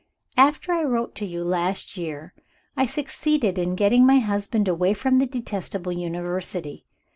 "After I wrote to you last year, I succeeded in getting my husband away from the detestable University.